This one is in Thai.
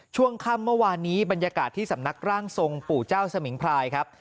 ช่วงค่ำเมื่อวานนี้บรรยากาศที่สำนักร่างทรงปู่เจ้าสมิงพรายครับ